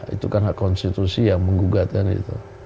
itu kan hak konstitusi yang menggugatkan itu